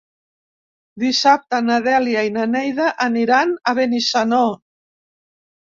Dissabte na Dèlia i na Neida aniran a Benissanó.